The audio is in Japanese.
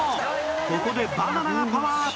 ここでバナナがパワーアップ！